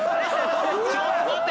ちょっと待って！